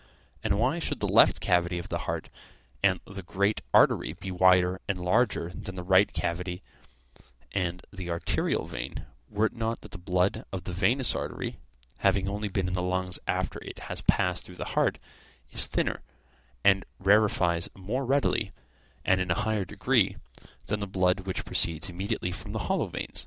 And why should the left cavity of the heart and the great artery be wider and larger than the right cavity and the arterial vein, were it not that the blood of the venous artery, having only been in the lungs after it has passed through the heart, is thinner, and rarefies more readily, and in a higher degree, than the blood which proceeds immediately from the hollow vein?